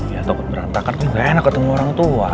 ya toket berantakan kok gak enak ketemu orang tua